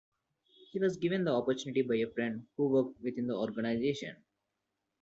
He was given the opportunity by a friend who worked within the organization.